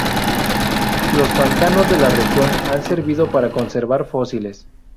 Los pantanos de la región han servido para conservar fósiles.